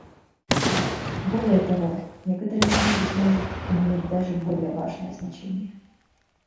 Более того, некоторые из них, быть может, имеют даже более важное значение.